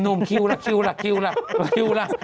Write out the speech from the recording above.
นุ่มคิวละคิวละคิวละ